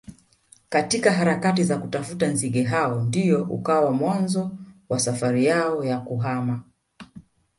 katika harakati za kutafuta nzige hao ndio ukawa mwanzo wa safari yao ya kuhama